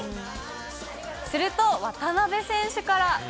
すると、渡邉選手から。